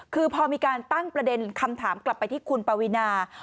คือพอมีการตั้งประเด็นคำถามกลับไปที่คุณปวีนา